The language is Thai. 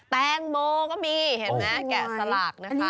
แตงโมก็มีเห็นไหมแกะสลักนะคะ